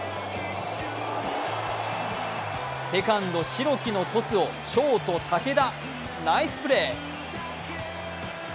セカンド・白木のトスをショート・竹田、ナイスプレー。